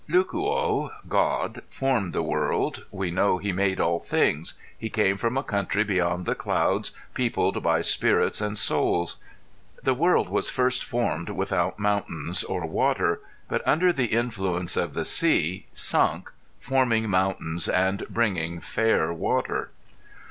Lucuo (God) formed the world, we know he made all things; he came from a country beyond the clouds peopled by spirits and souls. The world was first formed without mountains or water, but under the influence of the sea sunk forming mountains and bringing fair water.